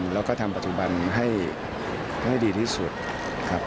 แล้วก็ทำปัจจุบันให้ดีที่สุดครับ